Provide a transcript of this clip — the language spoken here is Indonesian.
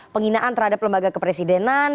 penghinaan terhadap lembaga kepresidenan